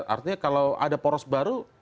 artinya kalau ada poros baru